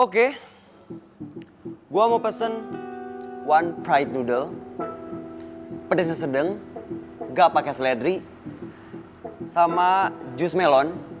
oke gue mau pesen one fried noodle pedasnya sedeng gak pake seledri sama jus melon